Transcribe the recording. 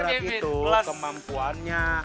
semua berat itu kemampuannya